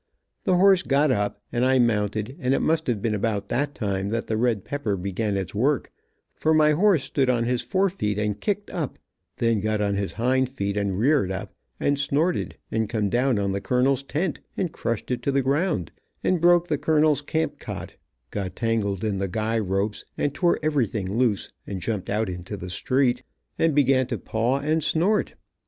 The horse got up, and I mounted, and it must have been about that time that the red pepper began its work, for my horse stood on his fore feet and kicked up, then got on his hind feet and reared up, and snorted, and come down on the colonel's tent, and crushed it to the ground, and broke the colonel's camp cot, got tangled in the guy ropes, and tore everything loose and jumped out in the street, and began to paw and snort.